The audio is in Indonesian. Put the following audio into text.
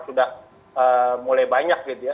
sudah mulai banyak gitu ya